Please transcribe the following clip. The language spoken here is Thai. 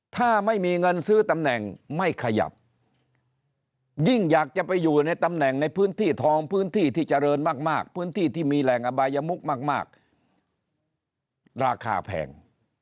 ถ้าไม่มีเงินซื้อตำแหน่งไม่ขยับยิ่งอยากจะไปอยู่ในตำแหน่งในพื้นที่ทองพื้นที่ที่เจริญมากพื้นที่ที่มีแหล่งอบายมุกมากราคาแพง